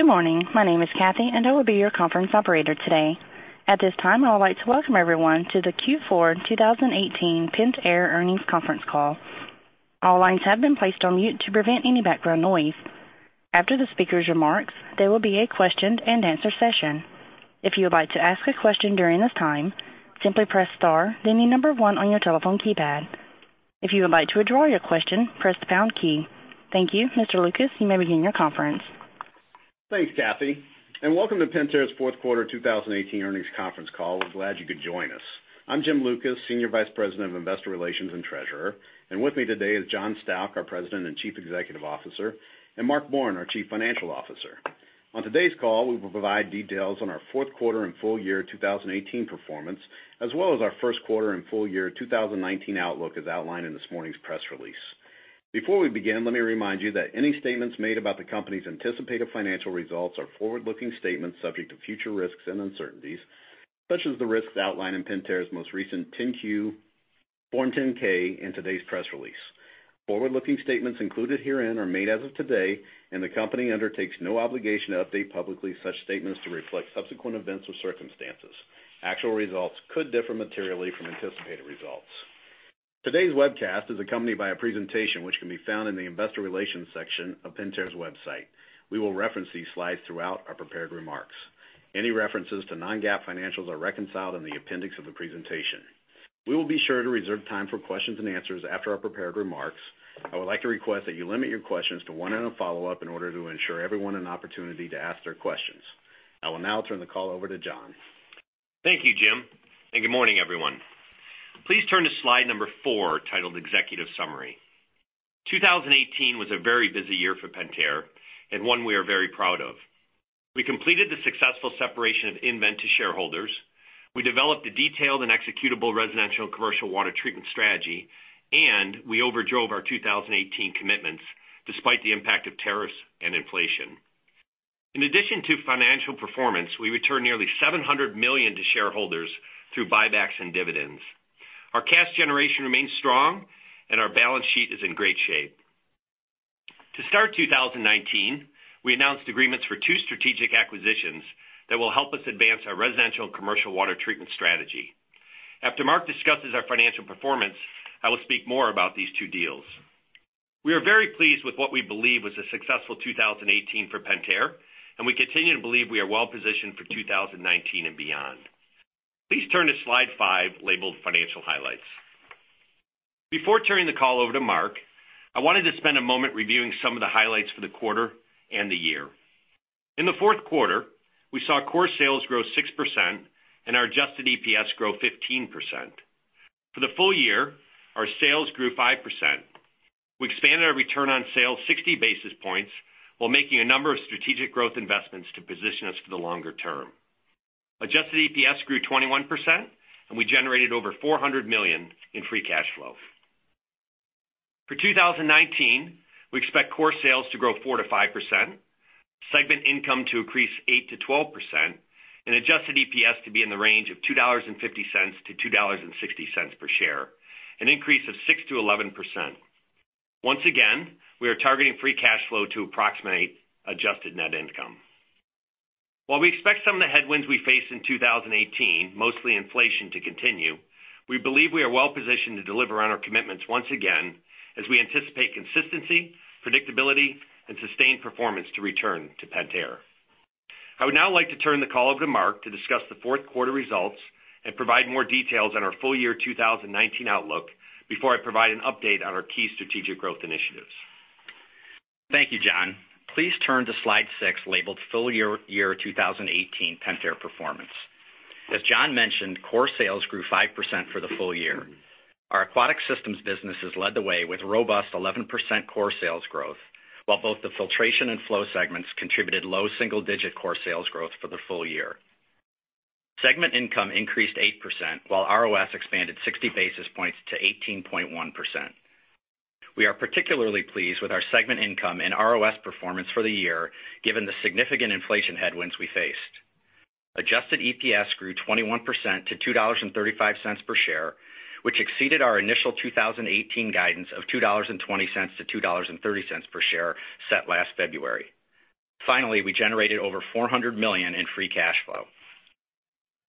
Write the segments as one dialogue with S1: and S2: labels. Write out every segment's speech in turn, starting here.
S1: Good morning. My name is Kathy, and I will be your conference operator today. At this time, I would like to welcome everyone to the Q4 2018 Pentair Earnings Conference Call. All lines have been placed on mute to prevent any background noise. After the speaker's remarks, there will be a question and answer session. If you would like to ask a question during this time, simply press star, then the number one on your telephone keypad. If you would like to withdraw your question, press the pound key. Thank you. Mr. Lucas, you may begin your conference.
S2: Thanks, Kathy, and welcome to Pentair's fourth quarter 2018 earnings conference call. We're glad you could join us. I'm Jim Lucas, Senior Vice President of Investor Relations and Treasurer. With me today is John Stauch, our President and Chief Executive Officer, and Mark Borin, our Chief Financial Officer. On today's call, we will provide details on our fourth quarter and full year 2018 performance, as well as our first quarter and full year 2019 outlook, as outlined in this morning's press release. Before we begin, let me remind you that any statements made about the company's anticipated financial results are forward-looking statements subject to future risks and uncertainties, such as the risks outlined in Pentair's most recent Form 10-Q, Form 10-K and today's press release. Forward-looking statements included herein are made as of today, and the company undertakes no obligation to update publicly such statements to reflect subsequent events or circumstances. Actual results could differ materially from anticipated results. Today's webcast is accompanied by a presentation which can be found in the investor relations section of Pentair's website. We will reference these slides throughout our prepared remarks. Any references to non-GAAP financials are reconciled in the appendix of the presentation. We will be sure to reserve time for questions and answers after our prepared remarks. I would like to request that you limit your questions to one and a follow-up in order to ensure everyone an opportunity to ask their questions. I will now turn the call over to John.
S3: Thank you, Jim, and good morning, everyone. Please turn to slide number four, titled Executive Summary. 2018 was a very busy year for Pentair and one we are very proud of. We completed the successful separation of nVent to shareholders. We developed a detailed and executable residential and commercial water treatment strategy, and we over-drove our 2018 commitments despite the impact of tariffs and inflation. In addition to financial performance, we returned nearly $700 million to shareholders through buybacks and dividends. Our cash generation remains strong and our balance sheet is in great shape. To start 2019, we announced agreements for two strategic acquisitions that will help us advance our residential and commercial water treatment strategy. After Mark discusses our financial performance, I will speak more about these two deals. We are very pleased with what we believe was a successful 2018 for Pentair, and we continue to believe we are well positioned for 2019 and beyond. Please turn to slide five, labeled Financial Highlights. Before turning the call over to Mark, I wanted to spend a moment reviewing some of the highlights for the quarter and the year. In the fourth quarter, we saw core sales grow 6% and our adjusted EPS grow 15%. For the full-year, our sales grew 5%. We expanded our return on sales 60 basis points while making a number of strategic growth investments to position us for the longer term. Adjusted EPS grew 21% and we generated over $400 million in free cash flow. For 2019, we expect core sales to grow 4%-5%, segment income to increase 8%-12%, and adjusted EPS to be in the range of $2.50-$2.60 per share, an increase of 6%-11%. Once again, we are targeting free cash flow to approximate adjusted net income. While we expect some of the headwinds we face in 2018, mostly inflation, to continue, we believe we are well positioned to deliver on our commitments once again as we anticipate consistency, predictability and sustained performance to return to Pentair. I would now like to turn the call over to Mark to discuss the fourth quarter results and provide more details on our full year 2019 outlook before I provide an update on our key strategic growth initiatives.
S4: Thank you, John. Please turn to slide six, labeled Full Year 2018 Pentair Performance. As John mentioned, core sales grew 5% for the full year. Our Aquatic Systems businesses led the way with robust 11% core sales growth while both the Filtration and Flow segments contributed low single-digit core sales growth for the full year. Segment income increased 8%, while ROS expanded 60 basis points to 18.1%. We are particularly pleased with our segment income and ROS performance for the year, given the significant inflation headwinds we faced. Adjusted EPS grew 21% to $2.35 per share, which exceeded our initial 2018 guidance of $2.20-$2.30 per share set last February. Finally, we generated over $400 million in free cash flow.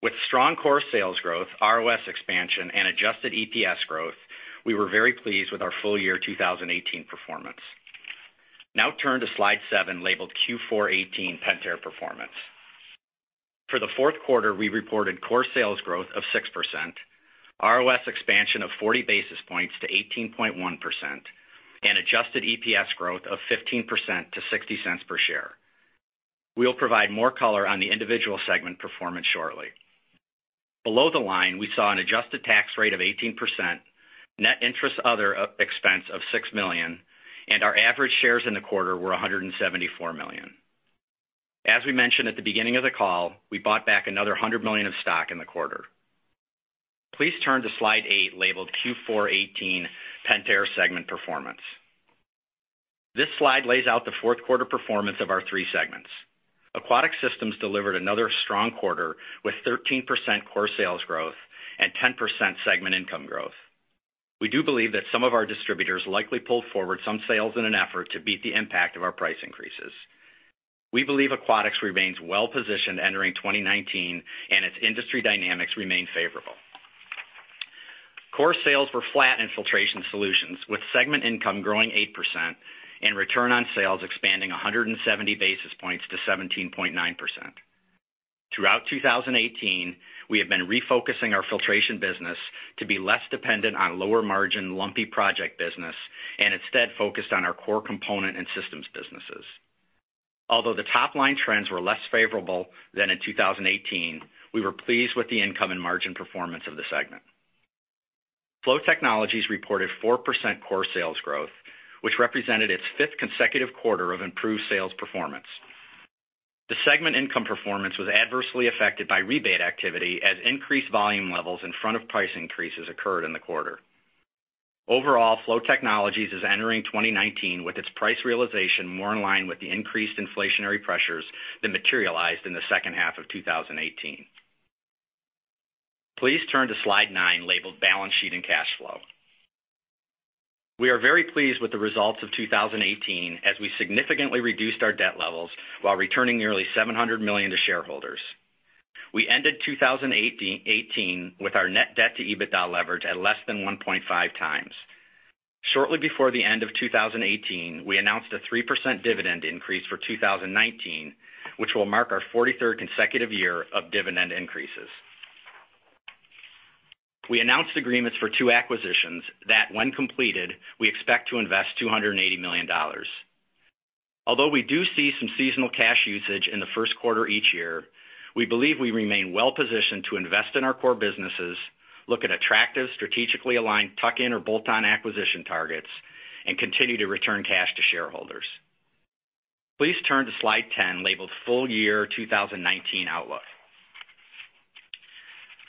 S4: With strong core sales growth, ROS expansion, and adjusted EPS growth, we were very pleased with our full year 2018 performance. Now turn to slide seven, labeled Q4 2018 Pentair Performance. For the fourth quarter, we reported core sales growth of 6%, ROS expansion of 40 basis points to 18.1%, and adjusted EPS growth of 15% to $0.60 per share. We'll provide more color on the individual segment performance shortly. Below the line, we saw an adjusted tax rate of 18%, net interest other, expense of $6 million, and our average shares in the quarter were 174 million. As we mentioned at the beginning of the call, we bought back another 100 million of stock in the quarter. Please turn to slide eight, labeled Q4 '18 Pentair Segment Performance. This slide lays out the fourth quarter performance of our three segments. Aquatic Systems delivered another strong quarter with 13% core sales growth and 10% segment income growth. We do believe that some of our distributors likely pulled forward some sales in an effort to beat the impact of our price increases. We believe Aquatics remains well-positioned entering 2019, and its industry dynamics remain favorable. Core sales were flat in Filtration Solutions, with segment income growing 8% and return on sales expanding 170 basis points to 17.9%. Throughout 2018, we have been refocusing our filtration business to be less dependent on lower margin, lumpy project business, and instead focused on our core component and systems businesses. Although the top-line trends were less favorable than in 2018, we were pleased with the income and margin performance of the segment. Flow Technologies reported 4% core sales growth, which represented its fifth consecutive quarter of improved sales performance. The segment income performance was adversely affected by rebate activity as increased volume levels in front of price increases occurred in the quarter. Overall, Flow Technologies is entering 2019 with its price realization more in line with the increased inflationary pressures that materialized in the second half of 2018. Please turn to Slide nine, labeled Balance Sheet and Cash Flow. We are very pleased with the results of 2018, as we significantly reduced our debt levels while returning nearly $700 million to shareholders. We ended 2018 with our net debt to EBITDA leverage at less than 1.5x. Shortly before the end of 2018, we announced a 3% dividend increase for 2019, which will mark our 43rd consecutive year of dividend increases. We announced agreements for two acquisitions that, when completed, we expect to invest $280 million. Although we do see some seasonal cash usage in the first quarter each year, we believe we remain well-positioned to invest in our core businesses, look at attractive, strategically aligned tuck-in acquisitions or bolt-on acquisition targets, and continue to return cash to shareholders. Please turn to Slide 10, labeled Full Year 2019 Outlook.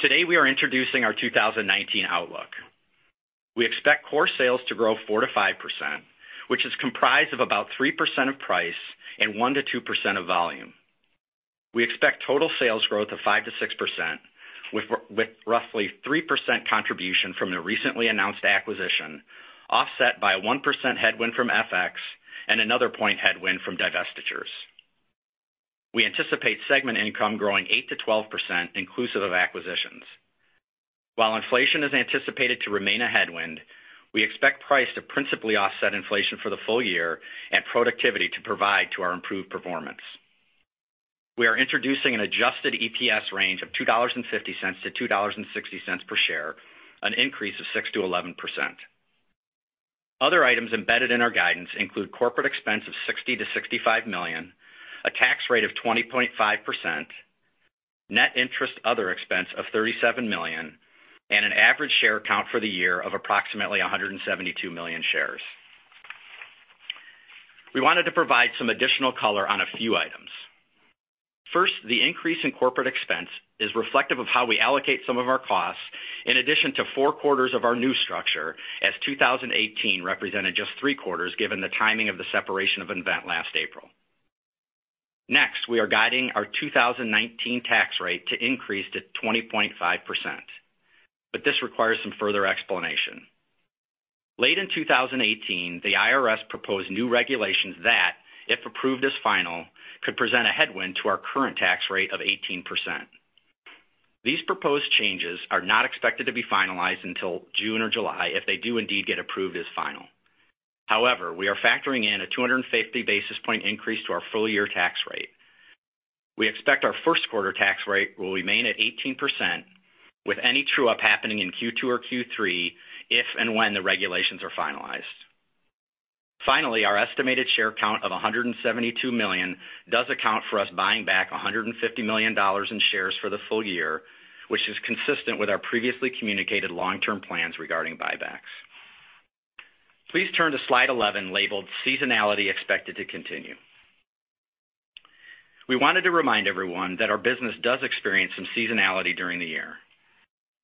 S4: Today, we are introducing our 2019 outlook. We expect core sales to grow 4%-5%, which is comprised of about 3% of price and 1%-2% of volume. We expect total sales growth of 5%-6%, with roughly 3% contribution from the recently announced acquisition, offset by a 1% headwind from FX and another point headwind from divestitures. We anticipate segment income growing 8%-12%, inclusive of acquisitions. While inflation is anticipated to remain a headwind, we expect price to principally offset inflation for the full year and productivity to provide to our improved performance. We are introducing an adjusted EPS range of $2.50-$2.60 per share, an increase of 6%-11%. Other items embedded in our guidance include corporate expense of $60 million-$65 million, a tax rate of 20.5%, net interest other expense of $37 million, and an average share count for the year of approximately 172 million shares. We wanted to provide some additional color on a few items. First, the increase in corporate expense is reflective of how we allocate some of our costs, in addition to four quarters of our new structure, as 2018 represented just three quarters, given the timing of the separation of nVent last April. We are guiding our 2019 tax rate to increase to 20.5%. This requires some further explanation. Late in 2018, the IRS proposed new regulations that, if approved as final, could present a headwind to our current tax rate of 18%. These proposed changes are not expected to be finalized until June or July if they do indeed get approved as final. However, we are factoring in a 250-basis-point increase to our full-year tax rate. We expect our first quarter tax rate will remain at 18%, with any true-up happening in Q2 or Q3, if and when the regulations are finalized. Our estimated share count of 172 million does account for us buying back $150 million in shares for the full year, which is consistent with our previously communicated long-term plans regarding buybacks. Please turn to Slide 11, labeled Seasonality Expected to Continue. We wanted to remind everyone that our business does experience some seasonality during the year.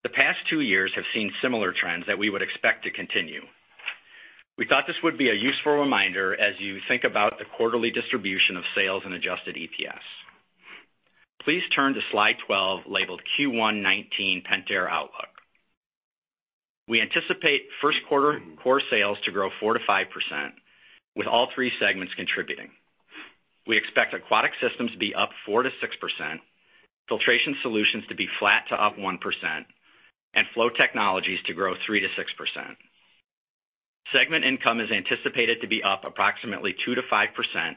S4: The past two years have seen similar trends that we would expect to continue. We thought this would be a useful reminder as you think about the quarterly distribution of sales and adjusted EPS. Please turn to Slide 12, labeled Q1 2019 Pentair Outlook. We anticipate first quarter core sales to grow 4%-5%, with all three segments contributing. We expect Aquatic Systems to be up 4%-6%, Filtration Solutions to be flat to up 1%, and Flow Technologies to grow 3%-6%. Segment income is anticipated to be up approximately 2%-5%,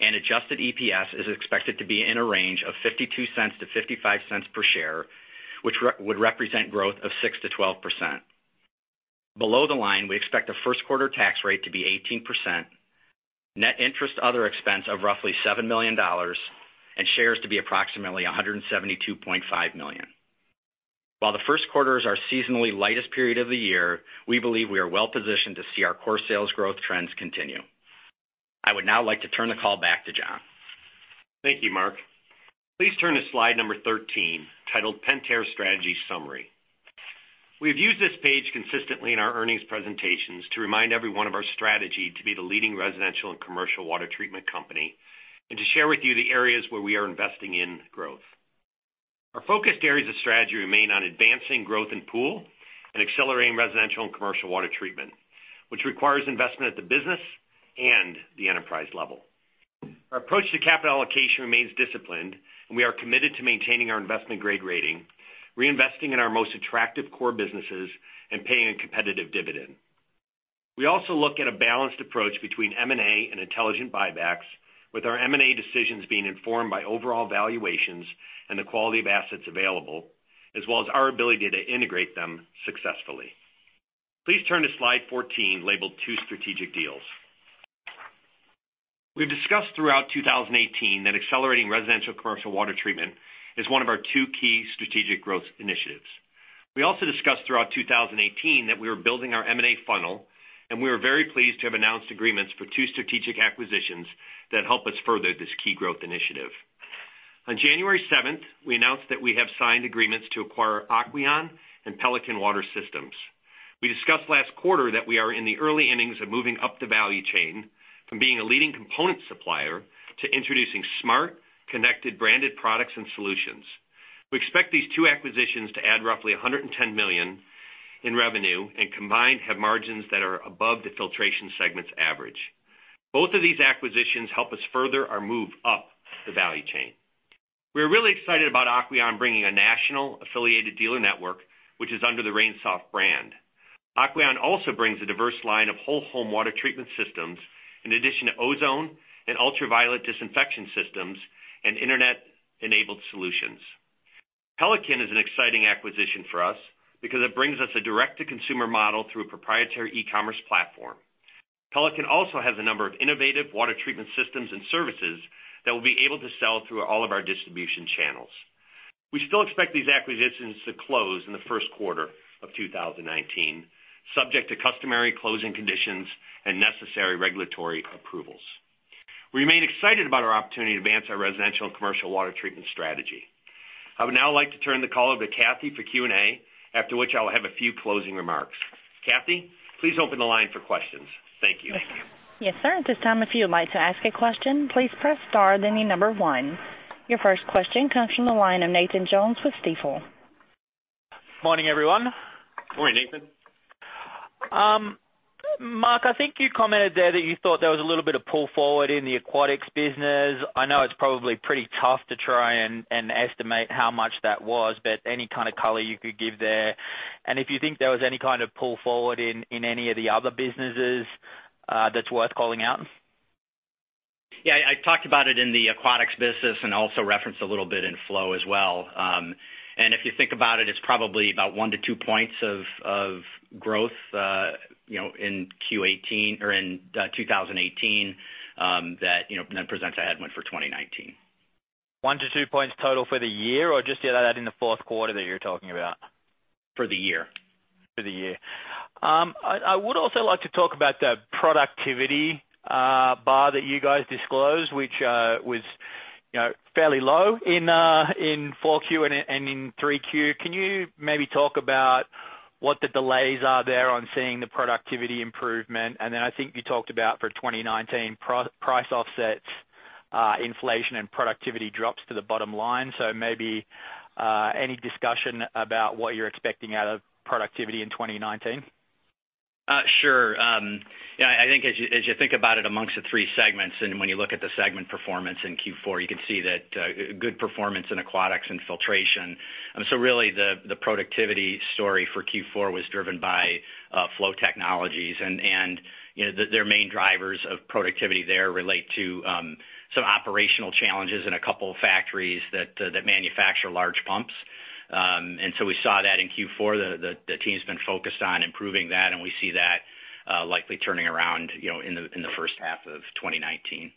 S4: and adjusted EPS is expected to be in a range of $0.52-$0.55 per share, which would represent growth of 6%-12%. Below the line, we expect a first quarter tax rate to be 18%, net interest other expense of roughly $7 million, and shares to be approximately 172.5 million. While the first quarter is our seasonally lightest period of the year, we believe we are well-positioned to see our core sales growth trends continue. I would now like to turn the call back to John.
S3: Thank you, Mark. Please turn to slide number 13, titled Pentair Strategy Summary. We have used this page consistently in our earnings presentations to remind everyone of our strategy to be the leading residential and commercial water treatment company, and to share with you the areas where we are investing in growth. Our focused areas of strategy remain on advancing growth in pool and accelerating residential and commercial water treatment, which requires investment at the business and the enterprise level. Our approach to capital allocation remains disciplined, and we are committed to maintaining our investment-grade rating, reinvesting in our most attractive core businesses, and paying a competitive dividend. We also look at a balanced approach between M&A and intelligent buybacks, with our M&A decisions being informed by overall valuations and the quality of assets available, as well as our ability to integrate them successfully. Please turn to slide 14, labeled Two Strategic Deals. We've discussed throughout 2018 that accelerating residential commercial water treatment is one of our two key strategic growth initiatives. We also discussed throughout 2018 that we were building our M&A funnel, and we are very pleased to have announced agreements for two strategic acquisitions that help us further this key growth initiative. On January 7th, we announced that we have signed agreements to acquire Aquion and Pelican Water Systems. We discussed last quarter that we are in the early innings of moving up the value chain from being a leading component supplier to introducing smart, connected, branded products and solutions. We expect these two acquisitions to add roughly $110 million in revenue, and combined have margins that are above the Filtration segment's average. Both of these acquisitions help us further our move up the value chain. We are really excited about Aquion bringing a national affiliated dealer network, which is under the RainSoft brand. Aquion also brings a diverse line of whole home water treatment systems, in addition to ozone and ultraviolet disinfection systems and internet-enabled solutions. Pelican is an exciting acquisition for us because it brings us a direct-to-consumer model through a proprietary e-commerce platform. Pelican also has a number of innovative water treatment systems and services that we'll be able to sell through all of our distribution channels. We still expect these acquisitions to close in the first quarter of 2019, subject to customary closing conditions and necessary regulatory approvals. We remain excited about our opportunity to advance our residential and commercial water treatment strategy. I would now like to turn the call over to Kathy for Q&A, after which I will have a few closing remarks. Kathy, please open the line for questions. Thank you.
S1: Yes, sir. At this time, if you would like to ask a question, please press star, then the number one. Your first question comes from the line of Nathan Jones with Stifel.
S5: Morning, everyone.
S3: Good morning, Nathan.
S5: Mark, I think you commented there that you thought there was a little bit of pull forward in the Aquatic Systems. Any kind of color you could give there, and if you think there was any kind of pull forward in any of the other businesses that's worth calling out.
S4: Yeah. I talked about it in the Aquatic Systems and also referenced a little bit in Flow Technologies as well. If you think about it's probably about one points to two points of growth in 2018 that then presents a headwind for 2019.
S5: One points to two points total for the year, or just that in the fourth quarter that you're talking about?
S4: For the year.
S5: For the year. I would also like to talk about the productivity bar that you guys disclosed, which was fairly low in 4Q and in 3Q. Can you maybe talk about what the delays are there on seeing the productivity improvement? I think you talked about for 2019 price offsets inflation and productivity drops to the bottom line. Maybe any discussion about what you're expecting out of productivity in 2019?
S4: Sure. I think as you think about it amongst the three segments, when you look at the segment performance in Q4, you can see that good performance in Aquatics and Filtration. Really the productivity story for Q4 was driven by Flow Technologies and their main drivers of productivity there relate to some operational challenges in a couple of factories that manufacture large pumps. We saw that in Q4. The team's been focused on improving that, and we see that likely turning around in the first half of 2019.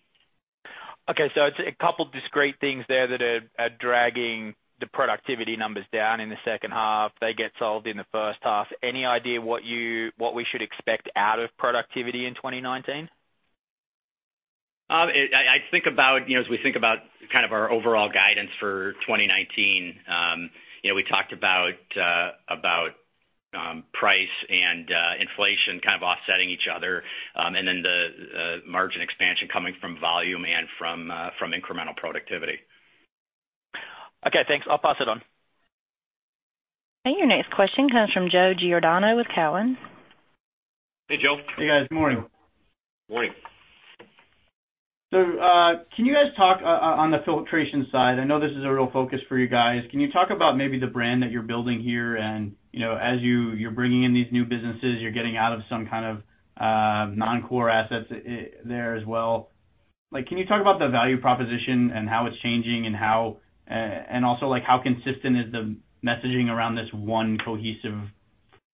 S5: Okay, it's a couple discrete things there that are dragging the productivity numbers down in the second half. They get solved in the first half. Any idea what we should expect out of productivity in 2019?
S4: As we think about kind of our overall guidance for 2019, we talked about price and inflation kind of offsetting each other. The margin expansion coming from volume and from incremental productivity.
S5: Okay, thanks. I'll pass it on.
S1: Your next question comes from Joe Giordano with Cowen.
S3: Hey, Joe.
S6: Hey, guys. Morning.
S3: Good morning.
S6: Can you guys talk on the filtration side, I know this is a real focus for you guys. Can you talk about maybe the brand that you're building here, and as you're bringing in these new businesses, you're getting out of some kind of non-core assets there as well. Can you talk about the value proposition and how it's changing, and also how consistent is the messaging around this one cohesive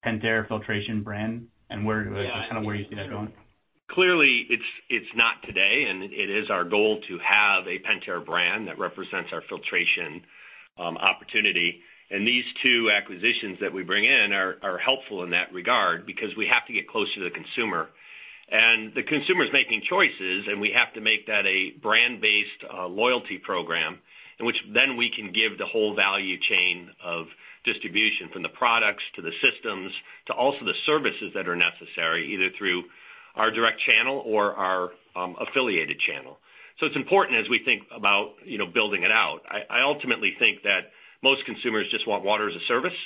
S6: Pentair Filtration brand and kind of where you see that going?
S3: Clearly, it's not today, and it is our goal to have a Pentair brand that represents our filtration opportunity. These two acquisitions that we bring in are helpful in that regard because we have to get closer to the consumer. The consumer's making choices, and we have to make that a brand-based loyalty program in which then we can give the whole value chain of distribution, from the products to the systems to also the services that are necessary, either through our direct channel or our affiliated channel. It's important as we think about building it out. I ultimately think that most consumers just want water as a service.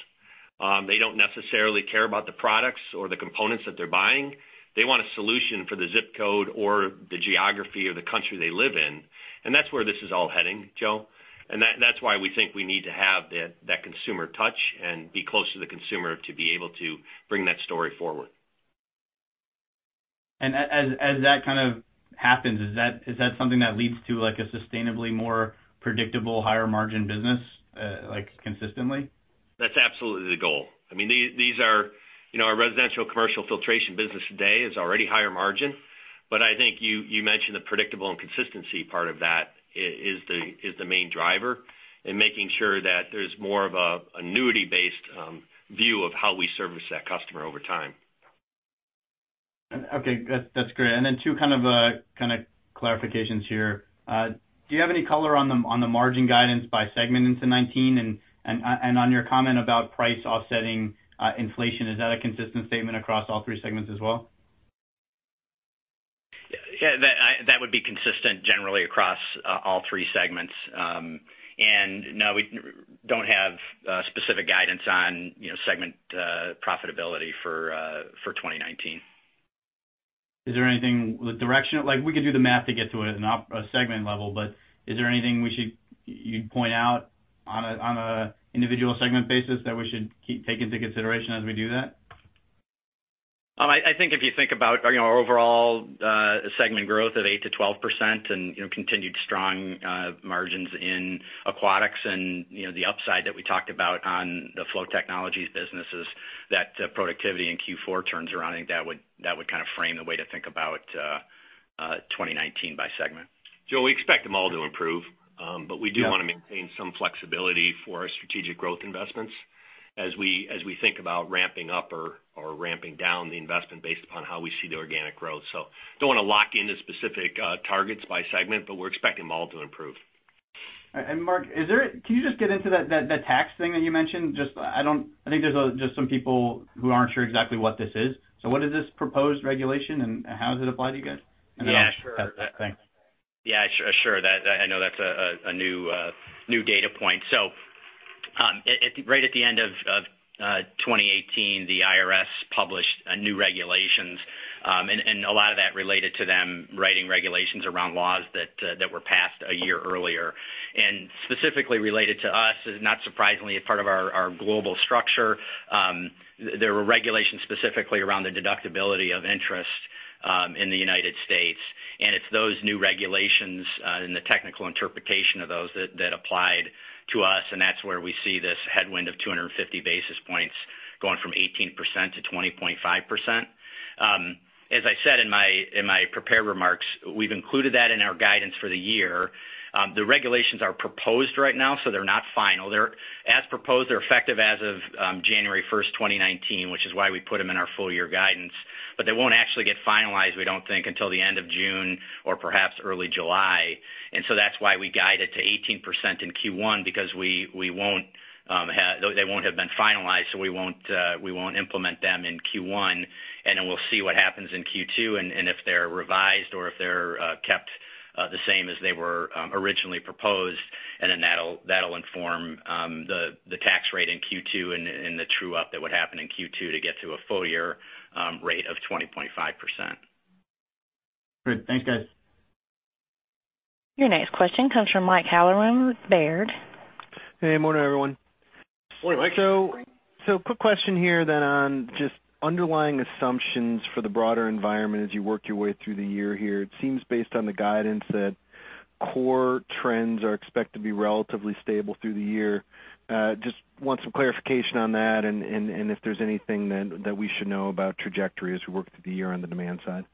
S3: They don't necessarily care about the products or the components that they're buying. They want a solution for the ZIP code or the geography or the country they live in, and that's where this is all heading, Joe. That's why we think we need to have that consumer touch and be close to the consumer to be able to bring that story forward.
S6: As that kind of happens, is that something that leads to a sustainably more predictable, higher margin business consistently?
S3: That's absolutely the goal. Our residential commercial Filtration Solutions business today is already higher margin, but I think you mentioned the predictable and consistency part of that is the main driver in making sure that there's more of an annuity-based view of how we service that customer over time.
S6: Okay. That's great. Then two kind of clarifications here. Do you have any color on the margin guidance by segment into 2019, and on your comment about price offsetting inflation, is that a consistent statement across all three segments as well?
S3: Yeah, that would be consistent generally across all three segments. No, we don't have specific guidance on segment profitability for 2019.
S6: Is there anything with direction? We could do the math to get to it at a segment level, but is there anything you'd point out on an individual segment basis that we should take into consideration as we do that?
S4: I think if you think about our overall segment growth of 8%-12% and continued strong margins in Aquatic Systems and the upside that we talked about on the Flow Technologies businesses, that productivity in Q4 turns around, I think that would kind of frame the way to think about 2019 by segment.
S3: Joe, we expect them all to improve.
S6: Yeah.
S3: We do want to maintain some flexibility for our strategic growth investments as we think about ramping up or ramping down the investment based upon how we see the organic growth. So, don't want to lock into specific targets by segment, but we're expecting them all to improve.
S6: Mark, can you just get into that tax thing that you mentioned? I think there's just some people who aren't sure exactly what this is. What is this proposed regulation, and how does it apply to you guys?
S4: Yeah, sure.
S6: Thanks.
S4: Sure. I know that's a new data point. Right at the end of 2018, the IRS published new regulations, and a lot of that related to them writing regulations around laws that were passed a year earlier. Specifically related to us, not surprisingly, a part of our global structure, there were regulations specifically around the deductibility of interest in the United States, and it's those new regulations and the technical interpretation of those that applied to us, and that's where we see this headwind of 250 basis points going from 18% to 20.5%. As I said in my prepared remarks, we've included that in our guidance for the year. The regulations are proposed right now, so they're not final. As proposed, they're effective as of January 1st, 2019, which is why we put them in our full-year guidance. They won't actually get finalized, we don't think, until the end of June or perhaps early July. That's why we guide it to 18% in Q1, because they won't have been finalized, so we won't implement them in Q1. And we'll see what happens in Q2 and if they're revised or if they're kept the same as they were originally proposed. That'll inform the tax rate in Q2 and the true-up that would happen in Q2 to get to a full-year rate of 20.5%.
S6: Good. Thanks, guys.
S1: Your next question comes from Mike Halloran with Baird.
S7: Hey, morning, everyone.
S3: Good morning, Mike.
S7: Quick question here then on just underlying assumptions for the broader environment as you work your way through the year here. It seems based on the guidance that core trends are expected to be relatively stable through the year. Just want some clarification on that, and if there's anything that we should know about trajectory as we work through the year on the demand side.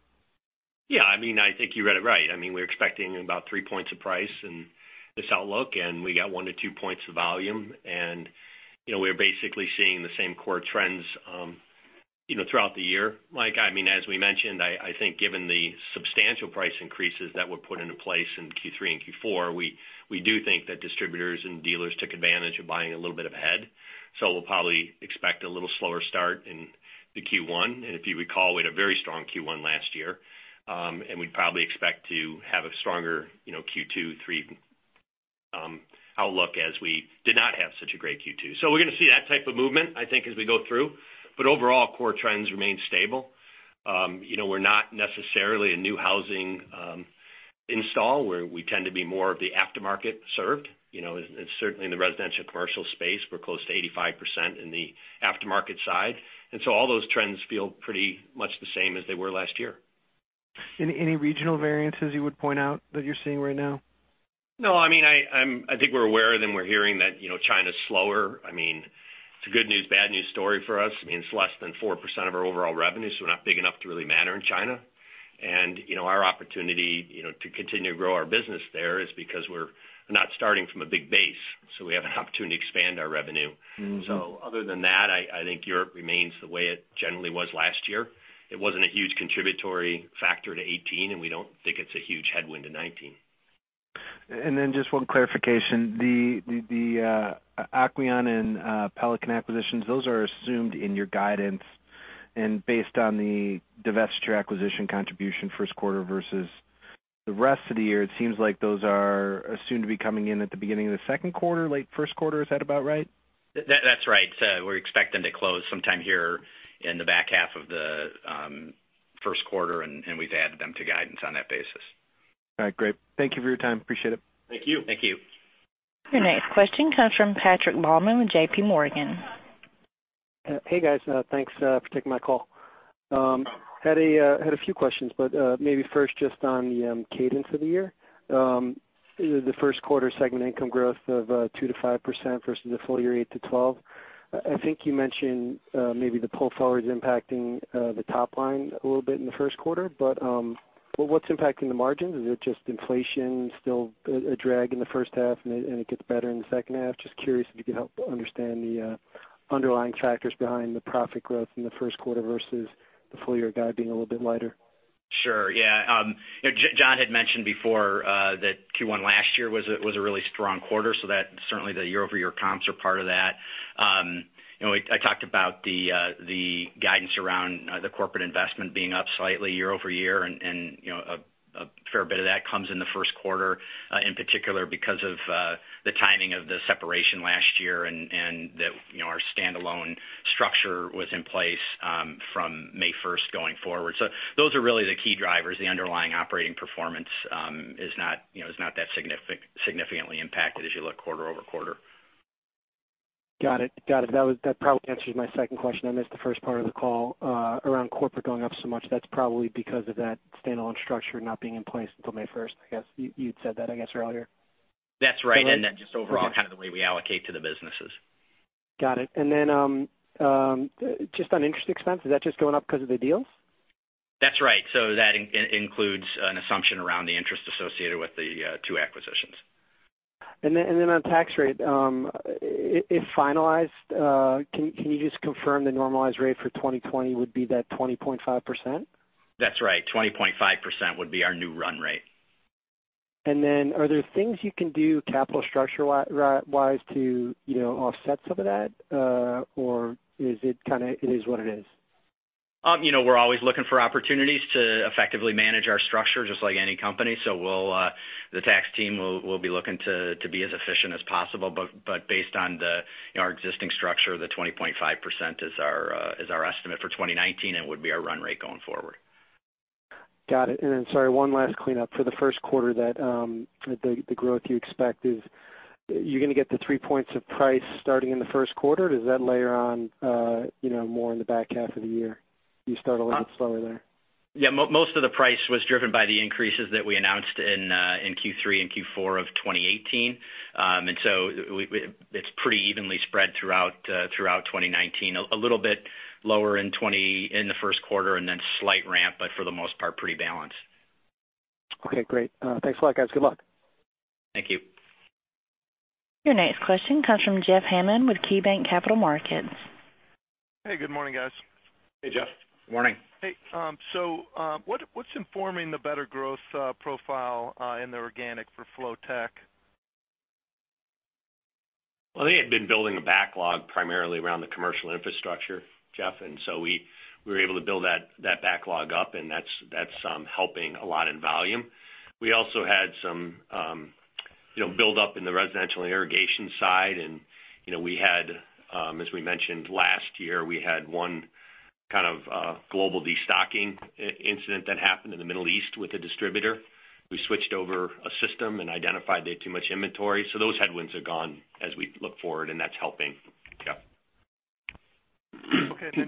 S3: I think you read it right. We're expecting about three points of price in this outlook, and we got one to two points of volume, and we're basically seeing the same core trends throughout the year. Mike, as we mentioned, I think given the substantial price increases that were put into place in Q3 and Q4, we do think that distributors and dealers took advantage of buying a little bit ahead. We'll probably expect a little slower start in the Q1. If you recall, we had a very strong Q1 last year. We'd probably expect to have a stronger Q2, Q3 outlook as we did not have such a great Q2. We're going to see that type of movement, I think, as we go through. Overall, core trends remain stable. We're not necessarily a new housing install, where we tend to be more of the aftermarket served. Certainly, in the residential commercial space, we're close to 85% in the aftermarket side. All those trends feel pretty much the same as they were last year.
S7: Any regional variances you would point out that you're seeing right now?
S3: No. I think we're aware of them. We're hearing that China's slower. It's a good news, bad news story for us. It's less than 4% of our overall revenue, so we're not big enough to really matter in China. Our opportunity to continue to grow our business there is because we're not starting from a big base, so we have an opportunity to expand our revenue. Other than that, I think Europe remains the way it generally was last year. It wasn't a huge contributory factor to 2018, and we don't think it's a huge headwind to 2019.
S7: Then, just one clarification, the Aquion and Pelican acquisitions, those are assumed in your guidance and based on the divestiture acquisition contribution first quarter versus the rest of the year. It seems like those are assumed to be coming in at the beginning of the second quarter, late first quarter. Is that about right?
S3: That's right. We expect them to close sometime here in the back half of the first quarter, and we've added them to guidance on that basis.
S7: All right, great. Thank you for your time. Appreciate it.
S3: Thank you.
S1: Your next question comes from Patrick Baumann with J.P. Morgan.
S8: Hey, guys. Thanks for taking my call. Had a few questions. Maybe first just on the cadence of the year. The first quarter segment income growth of 2%-5% versus the full-year 8%-12%. I think you mentioned maybe the pull forward is impacting the top line a little bit in the first quarter. What's impacting the margins? Is it just inflation still a drag in the first half and it gets better in the second half? Just curious if you could help understand the underlying factors behind the profit growth in the first quarter versus the full-year guide being a little bit lighter.
S4: Sure, yeah. John had mentioned before that Q1 last year was a really strong quarter. So that certainly the year-over-year comps are part of that. I talked about the guidance around the corporate investment being up slightly year-over-year. A fair bit of that comes in the first quarter, in particular because of the timing of the separation last year and that our standalone structure was in place from May 1st going forward. Those are really the key drivers. The underlying operating performance is not that significantly impacted as you look quarter-over-quarter.
S8: Got it. That probably answers my second question, I missed the first part of the call, around corporate going up so much. That's probably because of that standalone structure not being in place until May 1st, you'd said that earlier.
S4: That's right. Just overall kind of the way we allocate to the businesses.
S8: Got it. Just on interest expense, is that just going up because of the deals?
S4: That's right. That includes an assumption around the interest associated with the two acquisitions.
S8: On tax rate, if finalized, can you just confirm the normalized rate for 2020 would be that 20.5%?
S4: That's right, 20.5% would be our new run rate.
S8: Then, are there things you can do capital structure-wise to offset some of that? Or is it kind of it is what it is?
S4: We're always looking for opportunities to effectively manage our structure just like any company. The tax team will be looking to be as efficient as possible, but based on our existing structure, the 20.5% is our estimate for 2019 and would be our run rate going forward.
S8: Got it. Sorry, one last cleanup. For the first quarter, the growth you expect, you're going to get the three points of price starting in the first quarter? Does that layer on more in the back half of the year? Do you start a little bit slower there?
S4: Yeah, most of the price was driven by the increases that we announced in Q3 and Q4 of 2018. It's pretty evenly spread throughout 2019. A little bit lower in the first quarter and then slight ramp, but for the most part, pretty balanced.
S8: Okay, great. Thanks a lot, guys. Good luck.
S4: Thank you.
S1: Your next question comes from Jeff Hammond with KeyBanc Capital Markets.
S9: Hey, good morning, guys.
S3: Hey, Jeff.
S4: Morning.
S9: Hey, what's informing the better growth profile in the organic for Flow Technologies?
S3: They had been building a backlog primarily around the commercial infrastructure, Jeff, we were able to build that backlog up, and that's helping a lot in volume. We also had some buildup in the residential irrigation side, and as we mentioned last year, we had one kind of global destocking incident that happened in the Middle East with a distributor. We switched over a system and identified they had too much inventory. Those headwinds are gone as we look forward, and that's helping.
S9: Okay.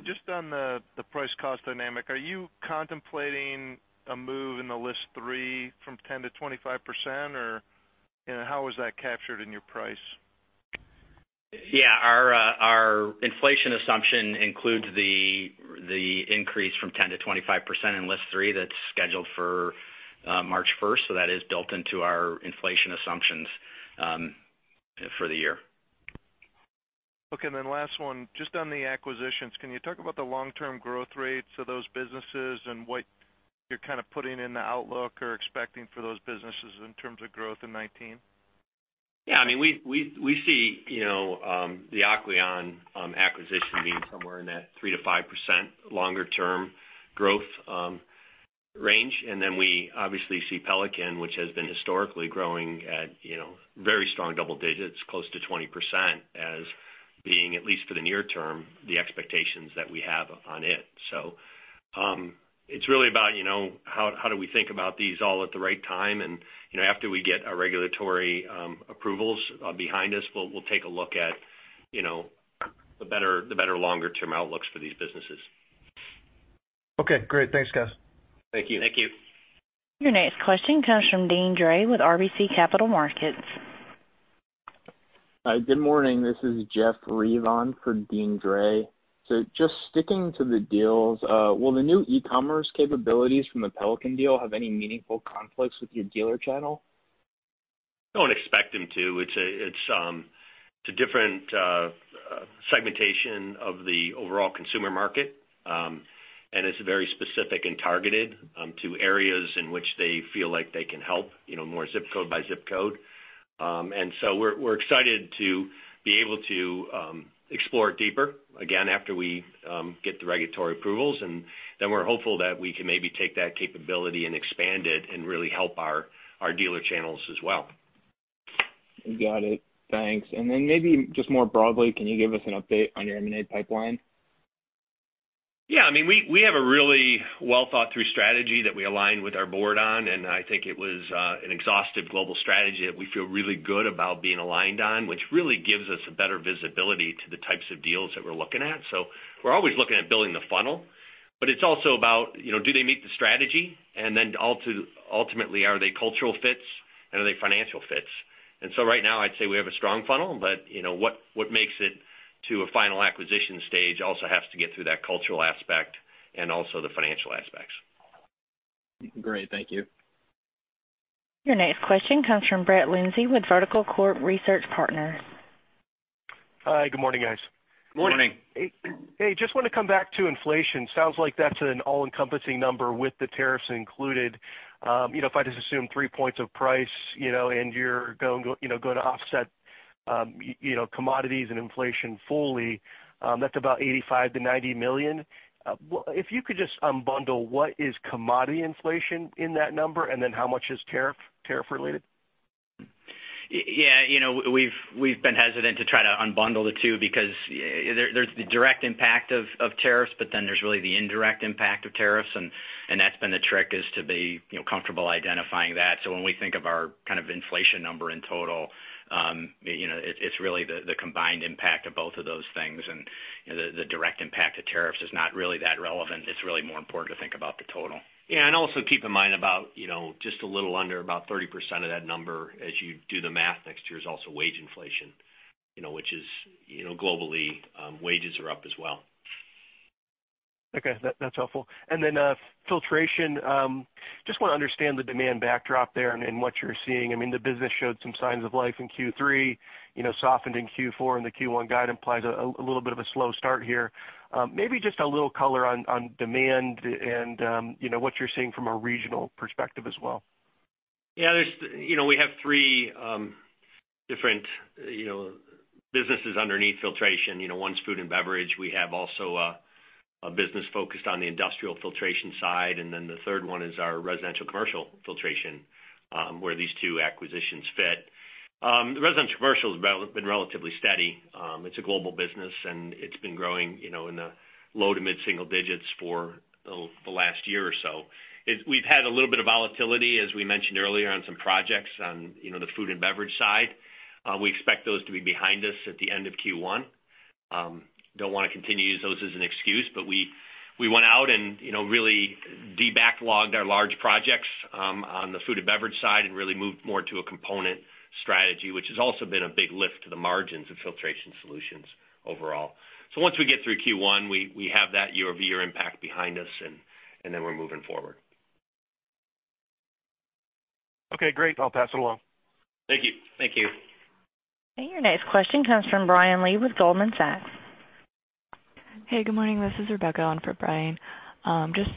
S9: Just on the price cost dynamic, are you contemplating a move in the List 3 from 10% to 25%? How was that captured in your price?
S4: Our inflation assumption includes the increase from 10% to 25% in List 3 that's scheduled for March 1st. That is built into our inflation assumptions for the year.
S9: Okay. Last one, just on the acquisitions, can you talk about the long-term growth rates of those businesses and what you're kind of putting in the outlook or expecting for those businesses in terms of growth in 2019?
S4: We see the Aquion acquisition being somewhere in that 3%-5% longer-term growth range. We obviously see Pelican, which has been historically growing at very strong double digits, close to 20%, as being, at least for the near term, the expectations that we have on it. So, it's really about how do we think about these all at the right time. After we get our regulatory approvals behind us, we'll take a look at the better longer-term outlooks for these businesses.
S9: Okay, great. Thanks, guys.
S3: Thank you.
S4: Thank you.
S1: Your next question comes from Deane Dray with RBC Capital Markets.
S10: Hi. Good morning. This is Jeff Reive on for Deane Dray. Just sticking to the deals, will the new e-commerce capabilities from the Pelican deal have any meaningful conflicts with your dealer channel?
S3: Don't expect them to. It's too different segmentation of the overall consumer market. It's very specific and targeted to areas in which they feel like they can help, more zip code by zip code. We're excited to be able to explore deeper, again, after we get the regulatory approvals, then we're hopeful that we can maybe take that capability and expand it and really help our dealer channels as well.
S10: Got it. Thanks. Then maybe just more broadly, can you give us an update on your M&A pipeline?
S3: Yeah. We have a really well-thought-through strategy that we aligned with our board on, I think it was an exhaustive global strategy that we feel really good about being aligned on, which really gives us a better visibility to the types of deals that we're looking at. We're always looking at building the funnel, but it's also about, do they meet the strategy? Then ultimately, are they cultural fits and are they financial fits? So right now I'd say we have a strong funnel, but what makes it to a final acquisition stage also has to get through that cultural aspect and also the financial aspects.
S10: Great. Thank you.
S1: Your next question comes from Brett Lindzey with Vertical Research Partners.
S11: Hi. Good morning, guys.
S3: Good morning.
S4: Morning.
S11: Just want to come back to inflation. Sounds like that's an all-encompassing number with the tariffs included. If I just assume three points of price, and you're going to offset commodities and inflation fully, that's about $85 million-$90 million. If you could just unbundle what is commodity inflation in that number, and then how much is tariff related?
S3: Yeah. We've been hesitant to try to unbundle the two because there's the direct impact of tariffs, but then there's really the indirect impact of tariffs, and that's been the trick, is to be comfortable identifying that. When we think of our kind of inflation number in total, it's really the combined impact of both of those things. The direct impact of tariffs is not really that relevant. It's really more important to think about the total.
S4: Yeah. Also keep in mind a little under 30% of that number as you do the math next year is also wage inflation, which is globally, wages are up as well.
S11: Okay. That's helpful. Then, Filtration. Just want to understand the demand backdrop there and what you're seeing. The business showed some signs of life in Q3, softened in Q4, and the Q1 guide implies a little bit of a slow start here. Maybe just a little color on demand and what you're seeing from a regional perspective as well.
S3: Yeah. We have three different businesses underneath Filtration. One's food and beverage. We have also a business focused on the industrial filtration side, the third one is our residential commercial filtration, where these two acquisitions fit. The residential commercial has been relatively steady. It's a global business, and it's been growing in the low to mid-single digits for the last year or so. We've had a little bit of volatility, as we mentioned earlier, on some projects on the food and beverage side. We expect those to be behind us at the end of Q1. Don't want to continue to use those as an excuse, but we went out and really de-backlogged our large projects on the food and beverage side and really moved more to a component strategy, which has also been a big lift to the margins of Filtration Solutions overall. Once we get through Q1, we have that year-over-year impact behind us, and then we're moving forward.
S11: Okay, great. I'll pass it along.
S3: Thank you.
S4: Thank you.
S1: Your next question comes from Brian Lee with Goldman Sachs.
S12: Hey, good morning. This is Rebecca on for Brian. Just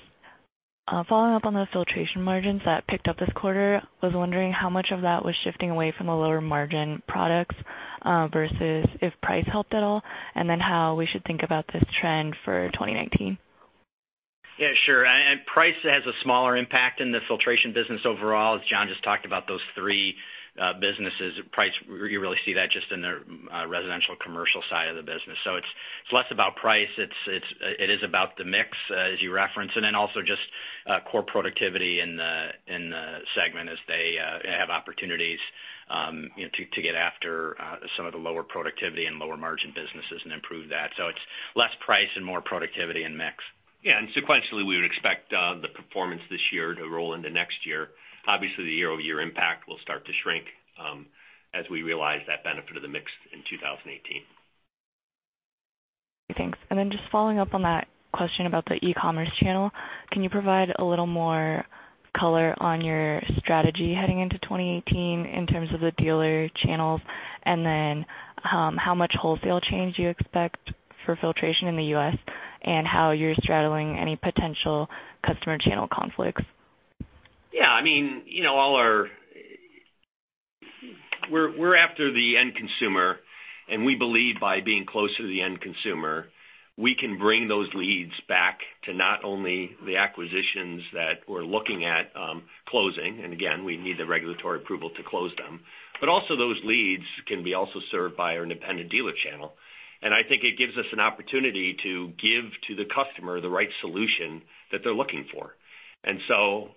S12: following up on those Filtration margins that picked up this quarter. Was wondering how much of that was shifting away from the lower margin products, versus if price helped at all, and then how we should think about this trend for 2019.
S4: Yeah, sure. Price has a smaller impact in the Filtration business overall. As John just talked about those three businesses, price, you really see that just in the residential commercial side of the business. It's less about price. It is about the mix as you reference, and then also just core productivity in the segment as they have opportunities to get after some of the lower productivity and lower margin businesses and improve that. It's less price and more productivity and mix.
S3: Yeah. Sequentially, we would expect the performance this year to roll into next year. Obviously, the year-over-year impact will start to shrink as we realize that benefit of the mix in 2018.
S12: Thanks. Then ,just following up on that question about the e-commerce channel, can you provide a little more color on your strategy heading into 2018 in terms of the dealer channels? How much wholesale change do you expect for Filtration in the U.S., and how you're straddling any potential customer channel conflicts?
S3: Yeah. We're after the end consumer, and we believe by being closer to the end consumer, we can bring those leads back to not only the acquisitions that we're looking at closing, again, we need the regulatory approval to close them. Also those leads can be also served by our independent dealer channel. I think it gives us an opportunity to give to the customer the right solution that they're looking for.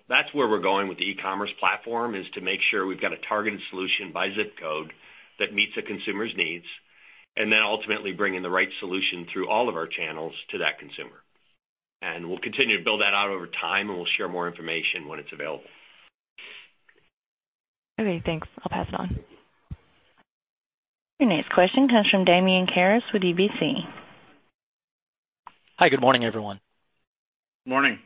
S3: That's where we're going with the e-commerce platform, is to make sure we've got a targeted solution by zip code that meets a consumer's needs, ultimately bringing the right solution through all of our channels to that consumer. We'll continue to build that out over time, we'll share more information when it's available.
S12: Okay, thanks. I'll pass it on.
S1: Your next question comes from Damian Karas with UBS.
S13: Hi. Good morning, everyone.
S3: Good morning.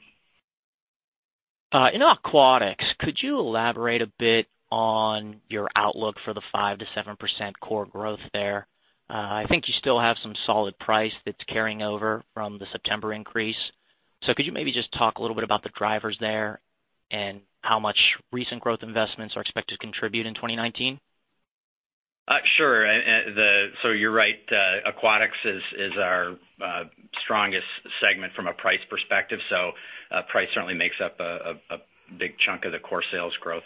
S13: In Aquatics, could you elaborate a bit on your outlook for the 5%-7% core growth there? I think you still have some solid price that's carrying over from the September increase. Could you maybe just talk a little bit about the drivers there, and how much recent growth investments are expected to contribute in 2019?
S4: Sure. You're right, Aquatics is our strongest segment from a price perspective. Price certainly makes up a big chunk of the core sales growth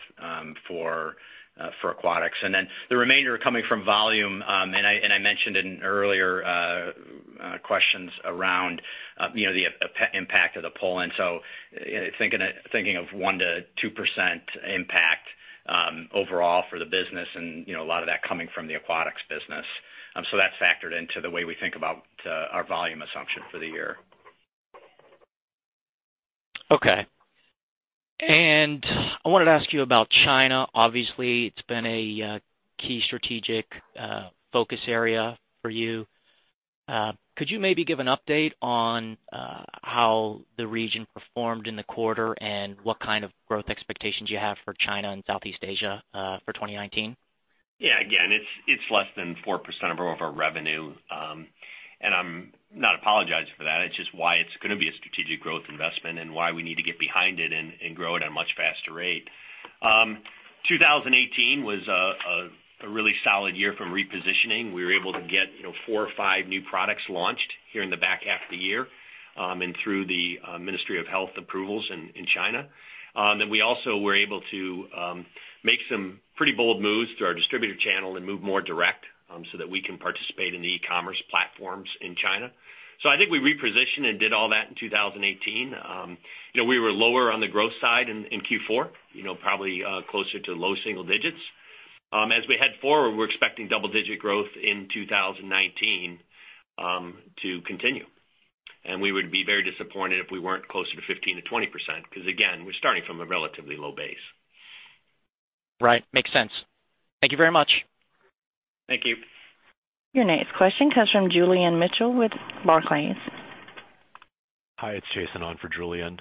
S4: for Aquatics. The remainder coming from volume, and I mentioned in earlier questions around the impact of the pull-in, thinking of 1%-2% impact overall for the business, and a lot of that coming from the Aquatics business. That's factored into the way we think about our volume assumption for the year.
S13: Okay. I wanted to ask you about China. Obviously, it's been a key strategic focus area for you. Could you maybe give an update on how the region performed in the quarter, and what kind of growth expectations you have for China and Southeast Asia for 2019?
S3: Yeah. Again, it's less than 4% of our revenue. I'm not apologizing for that, it's just why it's going to be a strategic growth investment and why we need to get behind it and grow it at a much faster rate. 2018 was a really solid year from repositioning. We were able to get four or five new products launched here in the back half of the year, and through the Ministry of Health approvals in China. We also were able to make some pretty bold moves through our distributor channel and move more direct, so that we can participate in the e-commerce platforms in China. I think we repositioned and did all that in 2018. We were lower on the growth side in Q4, probably closer to low single digits. As we head forward, we're expecting double-digit growth in 2019 to continue. And we would be very disappointed if we weren't closer to 15%-20%, because again, we're starting from a relatively low base.
S13: Right. Makes sense. Thank you very much.
S3: Thank you.
S1: Your next question comes from Julian Mitchell with Barclays.
S14: Hi, it's Jason on for Julian.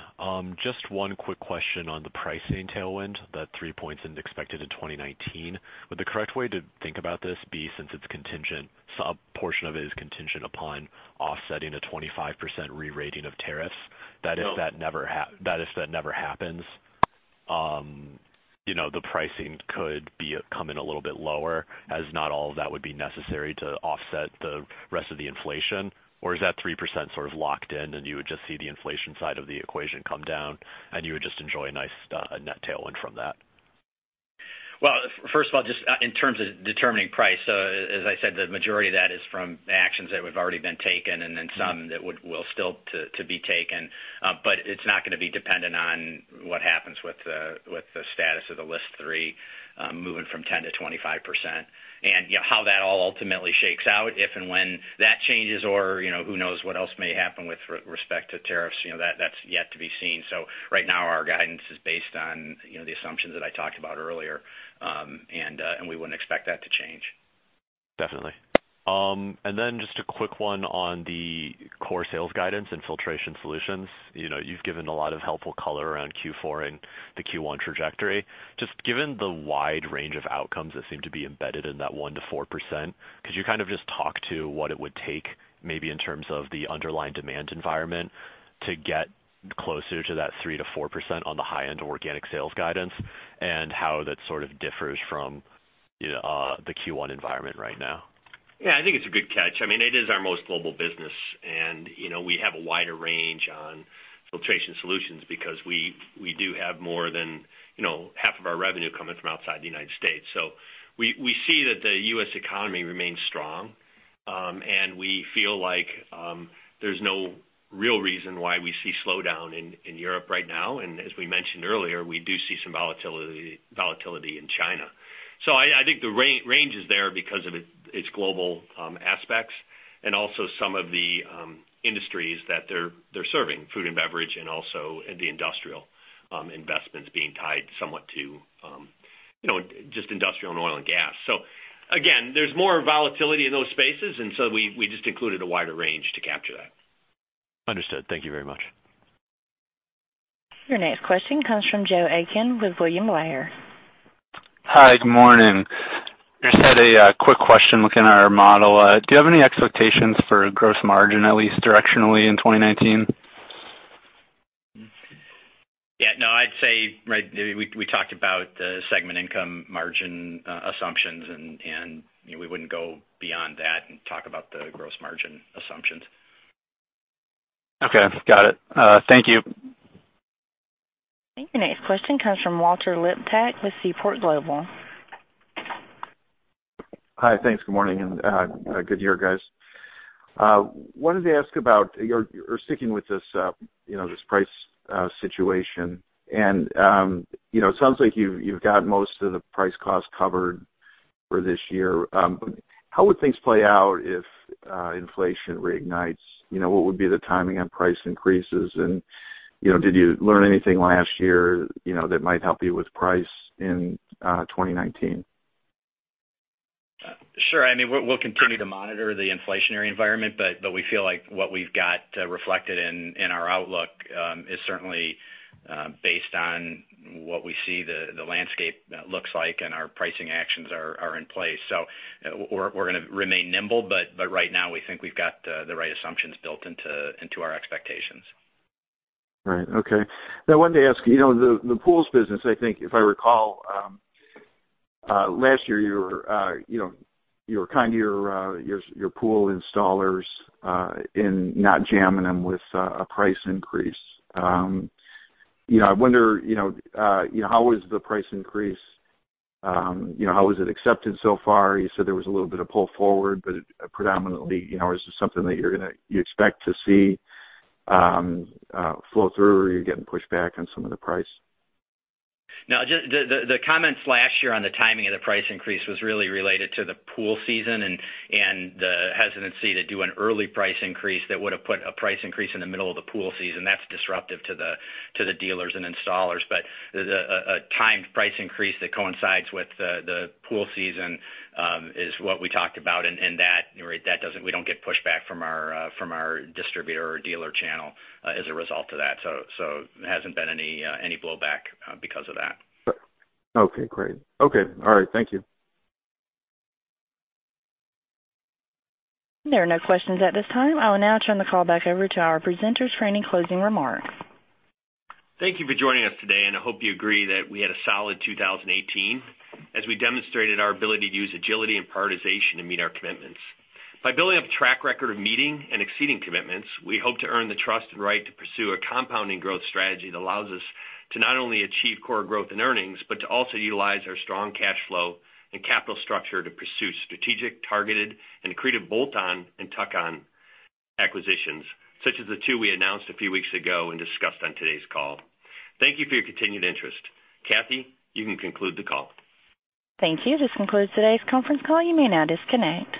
S14: Just one quick question on the pricing tailwind, that three points expected in 2019. Would the correct way to think about this be since a portion of it is contingent upon offsetting a 25% re-rating of tariffs
S4: No
S14: If that never happens, the pricing could come in a little bit lower, as not all of that would be necessary to offset the rest of the inflation? Is that 3% sort of locked in, and you would just see the inflation side of the equation come down, and you would just enjoy a nice net tailwind from that?
S4: Well, first of all, just in terms of determining price, as I said, the majority of that is from actions that have already been taken, and then some that will still to be taken. It's not going to be dependent on what happens with the status of the List 3, moving from 10% to 25%. How that all ultimately shakes out, if and when that changes or who knows what else may happen with respect to tariffs, that's yet to be seen. So right now, our guidance is based on the assumptions that I talked about earlier. We wouldn't expect that to change.
S14: Definitely. Just a quick one on the core sales guidance and Filtration Solutions. You've given a lot of helpful color around Q4 and the Q1 trajectory. Just given the wide range of outcomes that seem to be embedded in that 1%-4%, could you kind of just talk to what it would take, maybe in terms of the underlying demand environment, to get closer to that 3%-4% on the high end organic sales guidance, and how that sort of differs from the Q1 environment right now?
S3: Yeah. I think it's a good catch. It is our most global business. We have a wider range on Filtration Solutions because we do have more than half of our revenue coming from outside the United States. We see that the U.S. economy remains strong, and we feel like there's no real reason why we see slowdown in Europe right now. As we mentioned earlier, we do see some volatility in China. So, I think the range is there because of its global aspects. Also some of the industries that they're serving, food and beverage and also the industrial investments being tied somewhat to just industrial and oil and gas. Again, there's more volatility in those spaces. We just included a wider range to capture that.
S14: Understood. Thank you very much.
S1: Your next question comes from Joseph Aiken with William Blair.
S15: Hi, good morning. Just had a quick question looking at our model. Do you have any expectations for gross margin, at least directionally, in 2019?
S4: Yeah, no. I'd say we talked about the segment income margin assumptions, and we wouldn't go beyond that and talk about the gross margin assumptions.
S15: Okay. Got it. Thank you.
S1: Your next question comes from Walter Liptak with Seaport Global.
S16: Hi. Thanks. Good morning. Good year, guys. Wanted to ask about, sticking with this price situation. It sounds like you've got most of the price cost covered for this year. How would things play out if inflation reignites? What would be the timing on price increases? Did you learn anything last year that might help you with price in 2019?
S4: Sure. We'll continue to monitor the inflationary environment. We feel like what we've got reflected in our outlook is certainly based on what we see the landscape looks like, and our pricing actions are in place. We're going to remain nimble, but right now we think we've got the right assumptions built into our expectations.
S16: Right. Okay. I wanted to ask, the pools business. I think if I recall, last year you were kind to your pool installers in not jamming them with a price increase. I wonder, how was the price increase? How was it accepted so far? You said there was a little bit of pull forward, but predominantly, is this something that you expect to see flow through, or are you getting pushback on some of the price?
S4: The comments last year on the timing of the price increase was really related to the pool season and the hesitancy to do an early price increase that would have put a price increase in the middle of the pool season. That's disruptive to the dealers and installers. But a timed price increase that coincides with the pool season is what we talked about, and we don't get pushback from our distributor or dealer channel as a result of that. There hasn't been any blowback because of that.
S16: Okay, great. Okay. All right. Thank you.
S1: There are no questions at this time. I will now turn the call back over to our presenters for any closing remarks.
S3: Thank you for joining us today, and I hope you agree that we had a solid 2018 as we demonstrated our ability to use agility and prioritization to meet our commitments. By building up a track record of meeting and exceeding commitments, we hope to earn the trust and right to pursue a compounding growth strategy that allows us to not only achieve core growth in earnings, but to also utilize our strong cash flow and capital structure to pursue strategic, targeted, and accretive bolt-on and tuck-on acquisitions, such as the two we announced a few weeks ago and discussed on today's call. Thank you for your continued interest. Kathy, you can conclude the call.
S1: Thank you. This concludes today's conference call. You may now disconnect.